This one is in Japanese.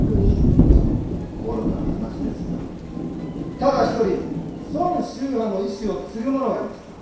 ただ１人孫秀波の遺志を継ぐ者がいました。